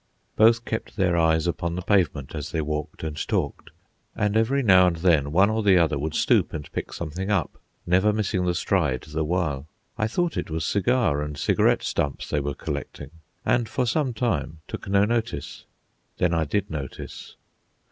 Both kept their eyes upon the pavement as they walked and talked, and every now and then one or the other would stoop and pick something up, never missing the stride the while. I thought it was cigar and cigarette stumps they were collecting, and for some time took no notice. Then I did notice.